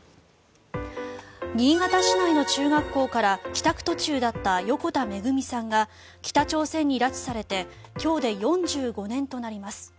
新潟市内の中学校から帰宅途中だった横田めぐみさんが北朝鮮に拉致されて今日で４５年となります。